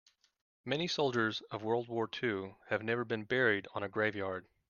Many soldiers of world war two have never been buried on a grave yard.